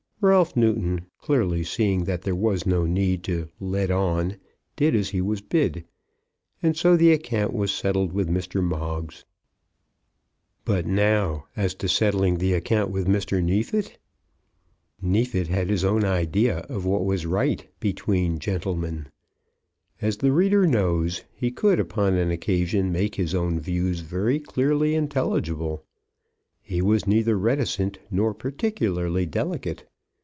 Ralph Newton, clearly seeing that there was no need to "let on," did as he was bid, and so the account was settled with Mr. Moggs. But now as to settling the account with Mr. Neefit? Neefit had his own idea of what was right between gentlemen. As the reader knows, he could upon an occasion make his own views very clearly intelligible. He was neither reticent nor particularly delicate.